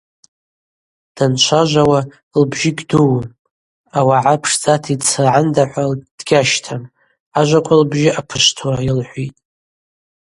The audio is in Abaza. Данчважвауа лбжьы гьдууым, ауагӏа пшдзата йдсыргӏанда – хӏва дгьащтам, ажваква лбжьы апышвтуа йылхӏвитӏ.